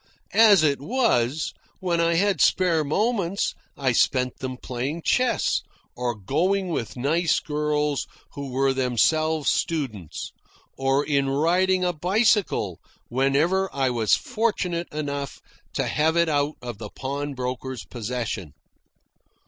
As it was, when I had spare moments I spent them playing chess, or going with nice girls who were themselves students, or in riding a bicycle whenever I was fortunate enough to have it out of the pawnbroker's possession.